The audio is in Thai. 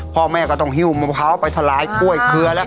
พ่อแม่ก็ต้องฮิวมะพร้าวไฮทรลายรวยเคลือ